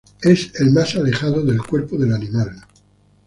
Es el más alejado del cuerpo del animal.